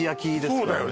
そうだよね